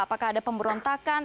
apakah ada pemberontakan